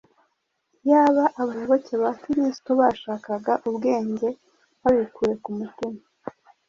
Iyaba abayoboke ba Kristo bashakaga ubwenge babikuye ku mutima